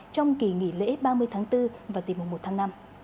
trong kỳ nghỉ lễ ba mươi tháng bốn và dịp mùa một tháng năm